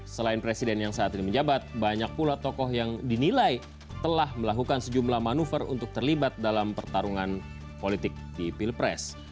selain presiden yang saat ini menjabat banyak pula tokoh yang dinilai telah melakukan sejumlah manuver untuk terlibat dalam pertarungan politik di pilpres